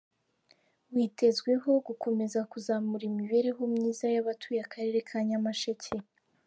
Witezweho gukomeza kuzamura imibereho myiza y’abatuye Akarere ka Nyamasheke.